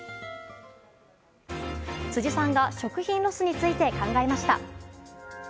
辻さんが食品ロスについて考えました。